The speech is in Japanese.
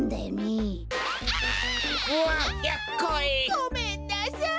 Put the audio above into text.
ごめんなさい！